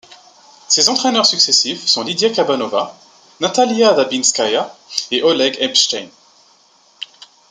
Ses entraîneurs successifs sont Lidia Kabanova, Natalia Dybinskaya et Oleg Epstein.